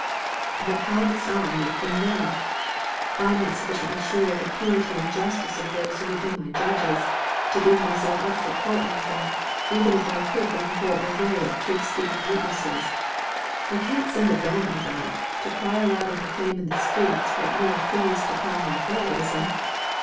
"But how must I make them know? I am not sufficiently sure of the purity and justice of those who would be my judges, to give myself up to a court martial, even if I could bring a whole array of truth speaking witnesses. I can't send a bell man about, to cry aloud and proclaim in the streets what you are pleased to call my heroism.